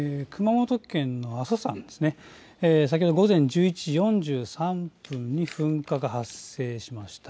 熊本県の阿蘇山で先ほど午前１１時４３分ごろに噴火が発生しました。